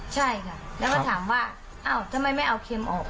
ใช่ค่ะแล้วก็ถามว่าอ้าวทำไมไม่เอาเค็มออก